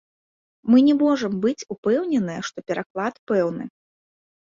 Мы не можам быць упэўненыя, што пераклад пэўны.